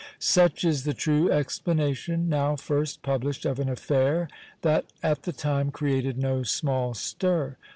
Such is the true explanation (now first published) of an affair that at the time created no small stir.